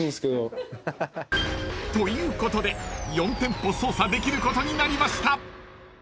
［ということで４店舗捜査できることになりました］